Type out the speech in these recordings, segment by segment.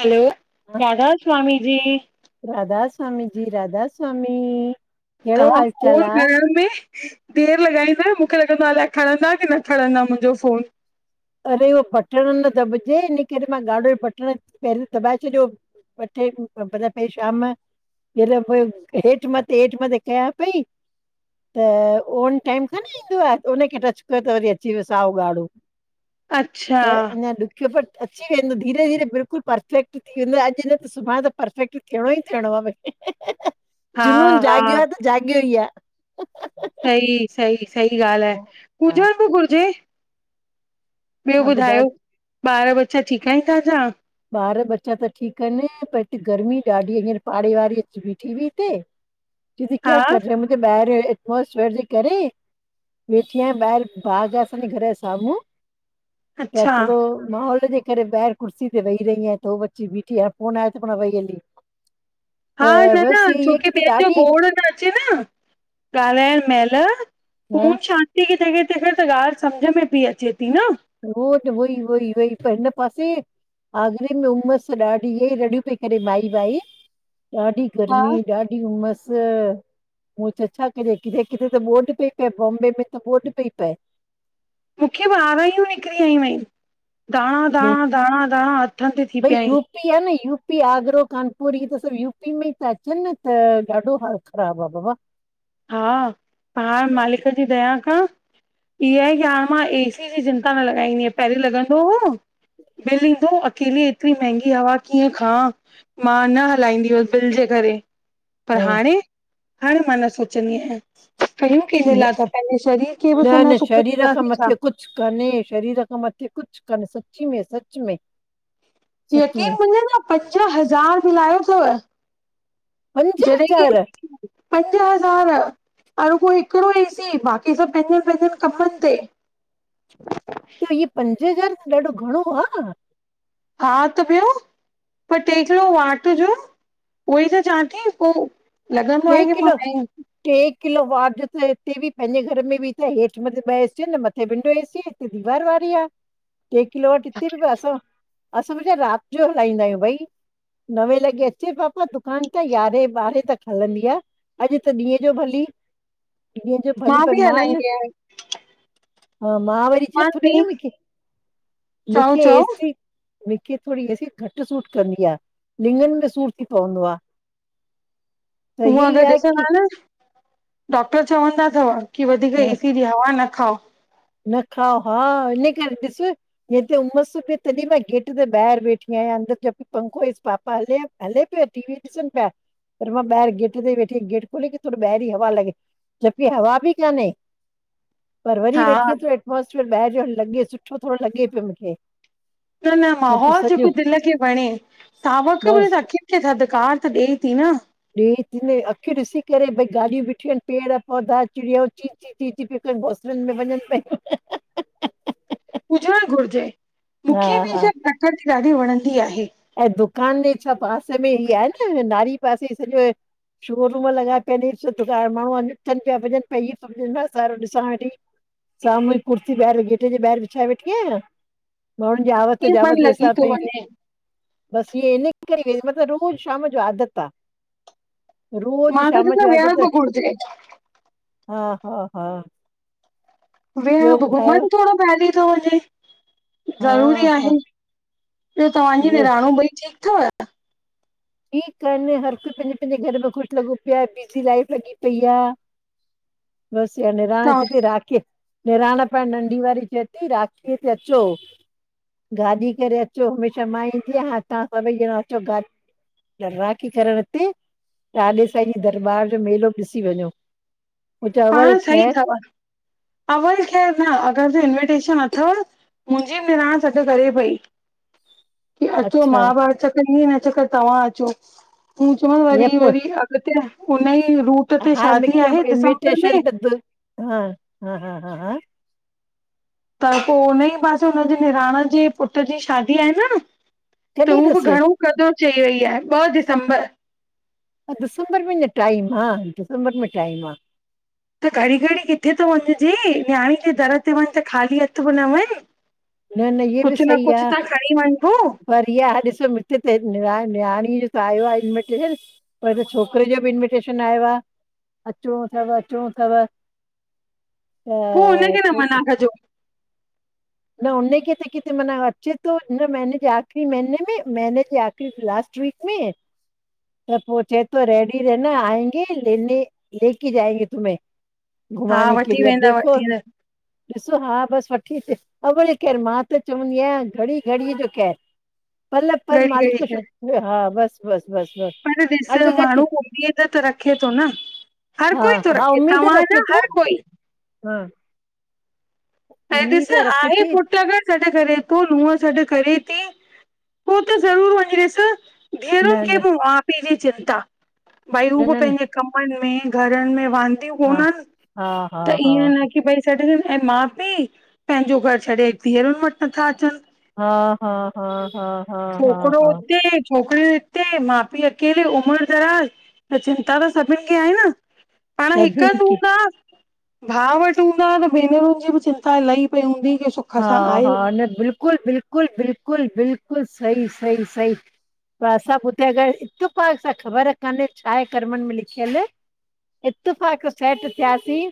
Hello! Radha Swami ji. Radha Swami ji. Radha Swami. कहिड़ो तव्हां, हाल चाल फोन आ? करण में देर लॻाईंदो, मूंखे लॻंदो आहे। अलाए खणंदा की न खणंदा मुंहिंजो फ़ोन। अरे, उहो बटण न दॿजे। इन करे मां ॻाढ़ो बटण पहिरियों दॿाए छॾियो। पठे, कूख़बर पई शाम। जल भ, हेठ मथे, हेठ मथे कयां पई। त उन टाइम खां न ईंदो आहे। उनखे टच कयो, त वरी अची वियो साओ ॻाढ़ो। अच्छा त अञा ॾु, बियोवट अची वेंदो, धीरे धीरे बिल्कुलु परफेक्ट थी वेंदो आहे। अॼु न त सुभाणे परफेक्ट घणो ई थियणो आहे। हा जुनून जाॻियो हा आहे। त जाॻियो ई आहे। सई, सई सी ॻाल्हि आहे। हा पुझंन बि घुरजे। ॿियो ॿुधायो, ॿार बच्चा ठीक आहिन तन्जा। ॿार बच्चा त ठीकु आहिन, पर हिते गर्मी ॾाढी हींअर पाड़े वाराड़ी अची बीठी बिई हिते। [inaudible] चैयति के, क्या कर रे? मुे बॿहिरतो एटमोसर् जे करेे। वेठी आहियां ॿाहेर, बाग ज असांजे घर जे साम्हूं। त अच्छा थोडो माहोल जे करे ॿाहिर कुर्सी वेी रहय त हू बची बीठी आहे। फोन आया त पो वईी हली। हा। त न न, बसि इहा इहा छोकी की त ॿियनि जो ॾाढी गोोड़ न चीन ॻाल्हाइण महिल हा ओम शान ट्रिगे त कथ त त ॻाल्हि सम्झ में पई अचे थी न हन ई इ वई पन पासे आगरे में उमस ॾाढी इअ ई रड़ियूं पई करे माई वाई ॾाढी हा गर्मी ॾाढीहूमस उह त छा क किथे किथे त ॿोि पई पए बॉम्बे में त ॿोॾि पई प मूंखेब आरायूं निकिरी आयूं आहिन। धाणा धाणा -धाणा -धाणा हथन ते थी भई पिया आहिन। न यूपी, आगरो, कानपुर, ई त सभु यूपी में ता अचन, न त ॾाढो हालत ख़राब आ। बाबा हा! पाण मालिक जी दया खां। इअ आहे। की हाणे मां एसी जी चिंता न लॻाईंदी आ पहिरीं लॻंदो हो बिल ईंदो। अकेली एतिरी महांगी हवा कीअं खां मां न हलाईंदी हुअस बिल जे करे। पर हा हाणे। हर मांणना सोचंदी आहियां। कयूं कइजे न लाये था। पहेजे शरीर के न डीन्दा सुख़ शरीर खां छा। मथे कुझु कन शरीर खां मथे कुझु कन सची में सच में। सच यकीन में मनींदा पंज हज़ार बिल आयो अथव। पंज जॾहिं की हज़ार पंज हज़ार। अय रूगो हिकिड़ो ईए सी बाक़ी सभु पंहिंजन -पंहिंजन कमन ते। त इह पंज हज़ार त ॾाढो घणो आ। हा! त ॿयो? पोहि, टेकड़ो वाटि जो उहोई त चवां थी पोइ टे किलो। टे किलो व त हिते बि पंहिंजे, घर में बि त हेठ मथे ॿ एसी आहिन। न मथे विंढो एसी आ। त दीवार वारारी आ। [inaudible] टे किलो वटि हिते, बि असां असां भा राति जो हलाईंदा आहियूं भई। नवे लॻे अचे, पापा दुकान त यारे ॿारें तक हलंदी आ। अॼु त ॾींहं जो भली, ॾींह जो भली पर बि मां हलाईंदी आहियां हा मां वरी वि छ थोॾी न मुखे चओ मुखे चओ एसी मूंखे थोॾी एसी घटि सूट कंदी आ लिङन में सूर थी पवंदो आ‌। हूूंअं अगर आहे की ॾिसंदा न डॉक्टर चवंदा अथव की वधीक न एसी जी हवा न खाओ। न खाव हा इन करे ॾिस हेत उमस सुपए तॾहिं मां गेट ते ॿाहिर बेठी आहियां अंदर जबक पंखोस पापा हले। हले पियो टी वी ॾिसण पया पर मां ॿहिर गेट ते ई वेठी गेट खोले त थोॾो बाहिरि ई हवा लॻे। जबकी हवा बि काने पर वरी हा वेठी त एटमोसफेयर ॿाहिरि जो लॻे सुठो थोॾो लॻे पियो मूंखे। न त -नमाहौल सॼो जेको दिल खे वणे। सावक बि बसि अखियुनि खे थधिकार त ॾेए थी न। अखियूं ॾिसी करे भई गॻाॾियूं बीठियूं आहिनि पेड़ पौधा चिड़िय टी टी पिकनि बोसलनि में वञनि पिय हुजण घुरजे मूंखे बि हा सभु प्रकृति ॾाढी वणंदी आहे। ऐं दुकान जे छा पासे में ई आहे न नारी पासे सॼो शोरूम लॻाए पिया सु माण्हू अ थनि पिया वञनि पई झ सो ॾिसां वेठी साम्हूं ई कुर्ती ॿाहिरि गेटे जे ॿाहिरि विछाए वेठी आयां। माण्हुनि जी आवत कीअं मन जावत लॻी हिॾिसां थो पई। वञे बस इ इन करे व मतिलब रोज़ शाम जो आदत आ। रोज़ मां त शाम चवंदमि जो आदत विहण बि घुरिजे हा- हा- हा। ॿियो वेह ॿुधायो? घुमनि थोॾो पहिली थो वञे हा, ज़रूरी आ। हा, ॿियो तव्हांजी उहो निणानूं ई ठीकु अथव? ठीकु आहेन हर कोई पंहिंजे -पंहिंजे घर में खुश लॻो पियो आहे बि लाइफ लगॻी पई आ। [inaudible] बसि ईया निराण तव्हां किथे राखीअ निणान पणु नंढी वारी चवे थी राखी ते अचो गाॾी करे अचो हमेशाह मां ईंदीयां हाण तव्हां सभई ॼणा अचो गाॾ त राकी करण हिते तालेसाईं जी दरबार जो मेलो ॿ ॾिसी वञो। पोइ चयो हल पाण सही ख़ैरु थव अवल ख़ैरु न अगरि जो इंविटेशन अथव मुंहिंजी निराण सॾ करे पई की अचो अच्छा मां ॿ हर चकर ईंदीमें हीन चक्कर तव्हां अचो हू चऊं ईअं वरी पोइ वरी अॻिते हुन ई रूट ते शादी आहे दिसम् स्टेशन तद् हा हा हा हा हा त पोइ हुन ई पासे हुनजे निराण जे पुट जी शादी आहे न त कॾहिं हू बि अथसि? घणो क़ॾऊं चई वई आहे ॿ दिसंबर हा दिसंबर में अञा टाइम आह दिसंबर में टाइम आ त घड़ी घड़ी किथे थो वञजे न्याणी जे दर ते वञ त ख़ाली हथ बि न वञ न न इहे बि कुझु न सही आ। कुझु त खणी वञॿो पर इया आह ॾिसो मिठ ते निराण नियाणी जो त आयो आहे इनविटेशन पर छोकिरे जो बि इंविटेशन आयो आहे अचणो थव अचणो थव त अ पो हुनखे न मना पोइ कजो न हुनखे त किथे माना अचे थो हिन महीने जे आखिरी महीने में महीने जे आख़ि लास्ट वीक में त पोइ चे थो रेडी रहना आएंगे लेने लेके जाएंगे तुमहें हा घुमाने के वठी लिए अब वेंदा देखो वठी वेंदा डिसो हा बस वठी अचे अवल ख़ैरु मां त चवंदी आहियां घड़ी घड़ीअ जो ख़ैरु पल पल घड़ी मालिक घड़ी को शुक हा बस बस बस बस अरे ॾिसण माण्हू अॻकथी उमयीद त रखे थो न हर हा कोई थो हा रखे उमेद तव्हां रखे न थो हर कोई हा ऐं ॾिस उम्मीद रख आहे पुट गॾ सॾ करे थो नूह सॾ करे थी पो त ज़रूर वंञेस न धिअरुनि खे न ॿि माउ पीउ ॼी चिंता भई हू न ॿि न न पंहिंॼे कमनि में घरनि में वांदियूं हा कोन्हनि हा हा त हा ईअं न की भई छॾडनि ऐं माउ पीउ पंहिंॼो घर छॾे धीअरुनि वटि नथा अचनि हा हा हा हा हा हा छोकिरो हा हुते छोकिरियूं हिते मा पी अकेले उमिर ॼराॼ़ त चिंता त सभिनि खे आहे न पांण हिक सभिनि हंद खे हूंदा भाउ वटि हूंदा त भेनरुनि ॼी ॿि चिंता लही पई हूंदी के सुख हा सां हा आयो न बिल्कुलु बिल्कुलु बिल्कुलु बिल्कुलु सही सही सही त असां ॿुधोआ अगरि इतफाक सां ख़बर कान्हे छा हे कर्मनि में लिखियल इतफ़ाक़ सेट थियासीं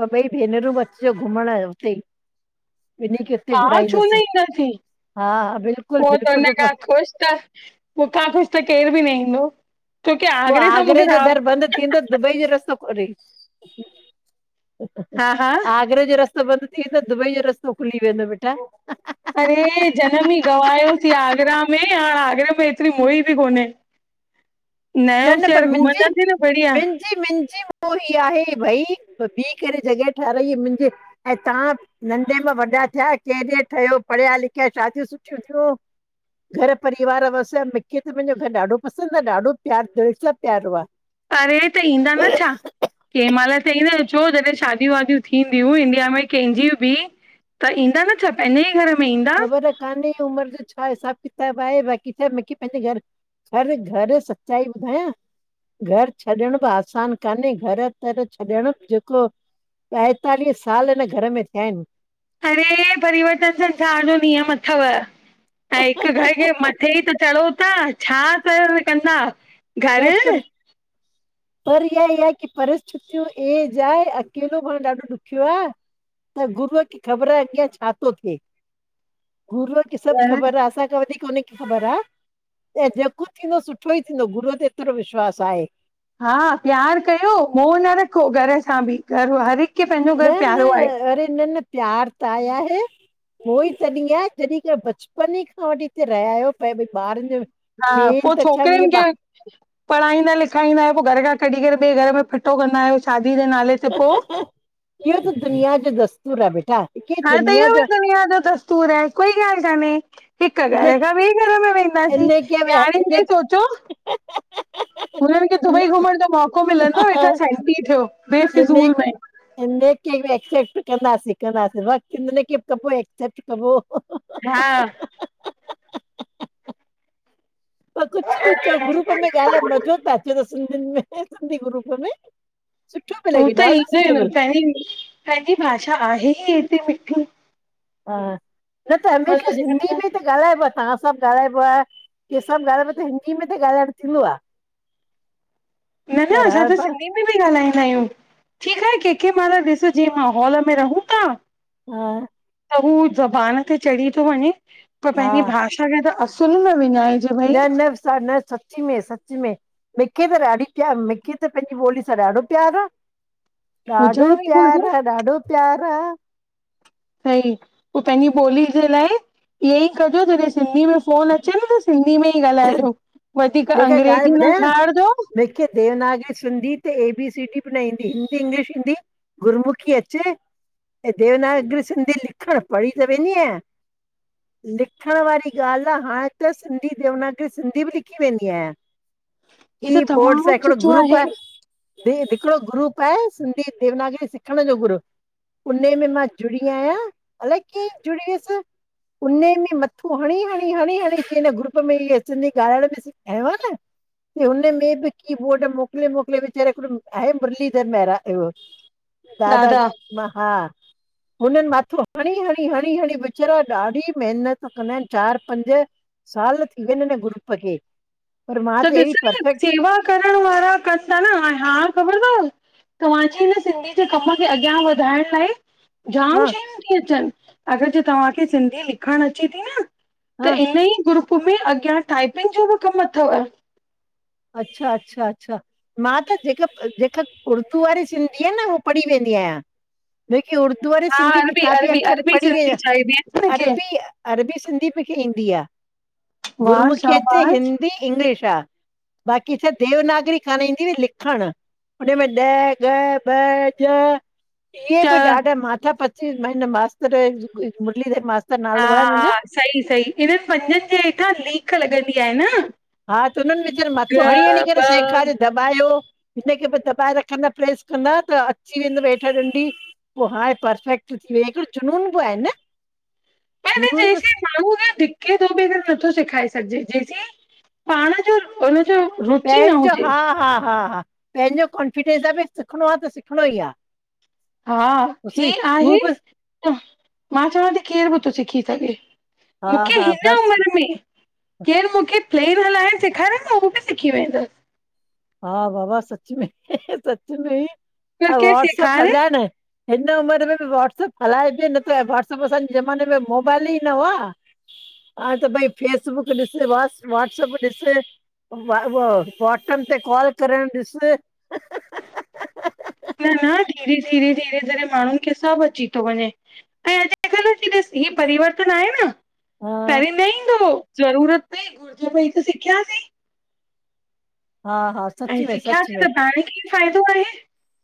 पो ॿई भेनरूं ॿि अचिॼो घुमंण उतेई हा छो न ईंदासीं हा बिल्कुलु पो तन बिल्कुलु बिल्कुलु। खां उहो ख़ुशि त मुखां खुश त केर ॿि न ईंदो छोकी पो सां आगरे मूंखे ॼो राब दर ॿंदि थींदो दुॿई ॼो रस्तो खुली हा हा आगरा ॼो रस्तो ॿंदि थी वेंदो दुॿई ॼो रस्तो खुली वेंदो ॿेटा अरे ॼनम ई गवायोसीं आगरा में हाण आगरा में एतिरी मोही ॿि कोन्हे। नयो शहर घुमंदासीं न ॿढ़िया। जी मिंजी मोही आहे भई पो ॿीह करे जॻहि ठाहराइ मुंजे ऐं तहां नंढे में वॾा थिया केॾे ठहियो पढ़िया लिखिया शादियूं सुठियूं थियूं घर परिवार वसिया मिखे त मिंॼो घरु ॾाढो पसंदि आ ॾाढो प्यार दिलि सां प्यारो आ। अरे त ईंदा न छा? कंहिं महिल त ईंदा न छो ॼॾहिं शादियूं वादियूं थींदियूं इंडिया में कंहिंजी ॿि त ईंदा न छा पंहिंॼे ई घर में ख़ॿर कान्हे उमिर ॼो छा हिसाॿु किताॿु आहे ॿाक़ी छा मिखे पंहिंॼे घर हर घर सच्चाई ॿुधायां घरु छॾणु ॿि आसान कान्हे घरु तर छॾण ॼेको ॿाएतालीह साल हिन घर में थिया हिन। अरे परिवर्तन संसार ॼो नियम अथव। ऐं हिक घर खे मत्थे ई त चढ़ो ता छा कयो हे कंदा। घर न पर, [inaudible] पर ईहा ईहाए की परिस्थतियूं एॼ आहे अकेलो पांण ॾाढो ॾुखियो आ। त गुरूअ खे ख़बर अॻियां छा तो थे गुरूअ खे सभु ख़बर आ असांखां वधीक उन्हे खे ख़बर आ ऐं ॼेको थींदो सुठो ई थींदो गुर एतिरो विश्वास आहे। हा प्यारु कयो मोह न रखो घर सां ॿि घर आ हर हिकु न न अरे न न प्यार ताए आहे। उहोई तॾीहिं आहे जॾीहिं खां बचपन ई खां वठी हिते रहिया आहियो पए भई ॿारनि हा मेन पो त छा छोकिरिनि खे मुंहिंजे पढ़ाईंदा लिखाईंदा आयो पो घर खां कढी करे ॿे घर में फिटो कंदा आयो शादी जे नाले त पो इहो त दुनिया ॼो दस्तूर आ बेटा। के हांणें त दुनिया इहो ॿि जो दुुनिया ॼो दस्तूर आ कोई गाल कान्हे। हिक इन घर खां ॿे घर में वेंदासीं इन खे बि न्याणियुनि जो इन सोचो। हुननि खे इन दुॿई घुमंण ॼो मौको मिलंदो वेठां सेंटी थियो ॿेफ़िज़ूल में इन्हेखे ॿि एक्सेप्ट कंदासी कंदासी वक़्त इननखे ॿि कॿो एक्सेप्ट कॿो। हा, प कुछु ॿि चओ ग्रुप में ॻाल्हाए मॼो़ त अचे तो सिंधियुनि में सिंधी ग्रुप में। सुठो पियो उह लॻे त ॾाढो ईंदो ई सुठो न पियो पहिरीं पंहिंजी भाषा आहे ई एतिरी मिठी। हा न त हमेशह मतिलब सिंधी जेका में त ॻाल्हाइबो आ तव्हां सभु ॻाल्हाइबो आ कि सभु ॻाल्हाइबो त हिंदी में त ॻाल्हाइण थींदो आ। न न असां हाणे त पाण सिंधी दी में ई ॻाल्हाईंदा आहियूं ठीकु आहे के के माल ॾिसजे मांहोल में रहूं था। हा, त हू ज़बान ते चढ़ी थो वञे पर हा पंहिंजी भाषा खे त असुल न विञाए न न विसार न सा सच में सच में मिखे त ॾाढी प्य मिखे त पंहिंजी ॿोली सां ॾाढो प्यार आ। ॾाढो हुजण बि घुरिजे प्यार आहे, ॾाढो प्यार आ। सही पो पंहिंजी ॿोली जे लाइ इहई कजो जॾहिं सिंधी में फ़ोन अ चे न त सिंधी में ई ॻाल्हाइजो वधीक लेकिन ॻाल्हि अंग्रेजी न ॿुधायां झाड़जो मूंखे देवनागरी सिंधी ते ए बी सी डी बि ना ईंदी हिंदी इंग्लिश ईंदी गुरुमुखी अचे, ऐं देवनागरी सिंधी लिखण पढ़ी त वेंदी आहिंया लिखण वारी ॻाल्हि आ हाणे त सिंधी देवनागरी सिंधी बि लि थी वेंदी आहियां ही त की बोर्ड तमामु सा हिकिड़ो सुठो ग्रुप आहे ही हिकिड़ो ग्रुप आहे सिंधी देवनागरी सिखण जो ग्रुप उन्हे में मां जुड़ी आहियां अलाए कीअं जुड़ी वियसि उन्हे में मथो हणी, हणी, हणी, हणी इन ग्रुप में इह सिंधी ॻालाइण एहिड़ो त की हुनमें बि की-बोर्ड मोकिले, मोकिले वेचारो हिकड़ो आहे मुरलीधर महिरा इहो [inaudible] दादा महा हुननि मथो हणी, हणी, हणी, हणी वेचारा ॾाढी महिनत कंदा आहिनि चार पंज साल थी वियनि हून ग्रुप खे पर मां त अहिड़ी ॾिस नीअ परफेक्ट सेवा करण वारा कनि था न हां हाणे ख़बर अथव तव्हांजे हिन सिंधी जे कम खे अॻियां वधाइण लाइ जाम हा शयूं थी अचनि अगरि जे तव्हांखे सिंधी लिखणु अचे थी न त हा इन ई ग्रुप में अॻियां टाइपिंग जो बि कमु अथव अच्छा, अच्छा, अच्छा मां त जेका जेका उर्दू वारी सिंधी आहे न उहा पढ़ी वेंदी आहियां जेकी उर्दू वारी हा सिंधी अरबी किताबी अरबी अखर अरबी पढ़ी वे सिंधी चइबी आहे न हिनखे अरबी अरबी सिंधी मूंखे ईंदी आ, वाह गुरुमुखी अचे, शाबाश हिंदी, इंग्लिश आ बाक़ी छा देवनागरी कान्ह ईंदी हुई लिखण हुन में ॾ ॻ ॿ ॼ इहे बि चओ ॾाढा माथा पची हिन मास्तरु मुरलीधर मास्तर हा, नालो आहे हुनन जो हा, सही सही हिननि पंजनि जे हेठां लीक लॻंदी आहे न हा त उन्हनि वेचारनि ग मथो हणी हणी ॿ करे सेखारियनि दॿायो हिनखे बि दॿाए रखंदा प्रेस कंदा त अची वेंदव हेठि ॾंडी पो हाणे परफेक्ट थी वइयां हिकिड़ो जुनून बि आहे न पर बि जेसीं माण्हू न धिक के तो बि नथो सेखाए सघिजे जेसीं पाण जो उन्ह़ जो पंहिंजो हा, हा, हा, हा पंहिंजो कॉन्फिडेंस आहे भई सिखणो आ त सिखणो ई आ हा उसवी ही तूं आहे बि त मां चवां थी केर बि थो सिखी सघे हा मूंखे हा हिन बसि उमिरि में केरु मूंखे प्लेन हलाइण सेखारे न हू बि सिखी वेंदस हा बाबा सच में सच में इ पर अ केरु वॉट्सअप सेखारे हलायण हिन उमिरि में बि वाट्सअप हलाइजे नथो अंए वाट्सअप असांजे ज़माने में मोबाइल ई न हुआ हाण त भई फेसबुक ॾिस व व्हाट्सअप ॾिस वा व वॉटसनि ते कॉल करणु ॾिसु न न धीरे-धीरे, धीरे करे माणहुन खे सभ अची तो वञे ऐं अॼुकल्ह जी रसती ही परिवर्तन आए न हा पहिरीं न ईंदो हो ज़रूरत पई घुर्ज पई त सिखयासीं हा हा सच ऐं में सच सिखयासीं में त पाण खे ई फ़ाइदो आहे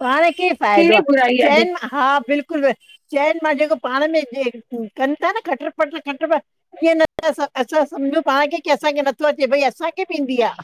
पाण खे ई फाइदो आ कहिड़ी बुराई आहे चैन मां हा बिल्कुल चैन मां जेको पाण में जे कन ता न खटर-पटर, खट-पट कीअं न असां असां सम्झूं पाण खे की असांखे नथो अचे भई असांखे बि ईंदी आ।